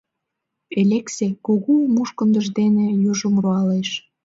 — Элексе кугу мушкындыж дене южым руалеш.